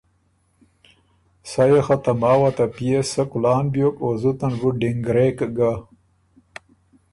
سَۀ يې خه ته ماوه ته پئے سۀ کُلان بیوک او زُته ن بُو ډِنګړېک ګۀ۔